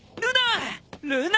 ルナ！